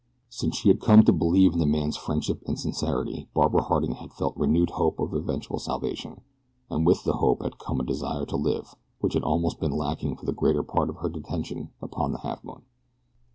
Since she had come to believe in the man's friendship and sincerity Barbara Harding had felt renewed hope of eventual salvation, and with the hope had come a desire to live which had almost been lacking for the greater part of her detention upon the Halfmoon.